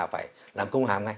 phải làm công hàm ngay